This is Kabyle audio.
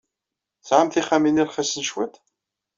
Tesɛam tixxamin ay rxisen cwiṭ?